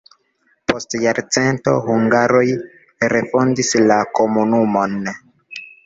Post jarcento hungaroj refondis la komunumon.